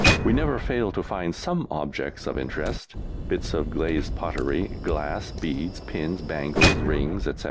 We never failed to find some objects of interest bits of glazed pottery, glass, beads, pins, bangles, rings, etc.